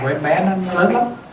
của em bé nó lớn lắm